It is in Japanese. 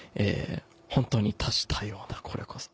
ホントに多種多様なこれこそ。